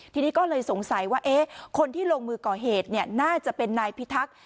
ทีนี้ก็เลยสงสัยว่าคนที่ลงมือก่อเหตุน่าจะเป็นนายพิทักษ์